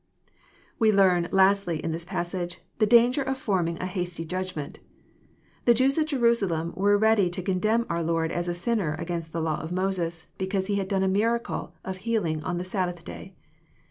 ]j ^Z ^lti We learn, lastly, in this passage, the danger of forming a liosty ^judgment. The Jews at Jerusalem were ready to condemn our Lord as a sinner against the law of Moses, because He had done a miracle of healing on i;he Sabbath day.